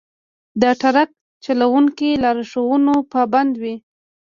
د ټرک چلوونکي د لارښوونو پابند وي.